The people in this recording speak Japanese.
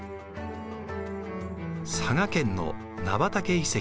佐賀県の菜畑遺跡。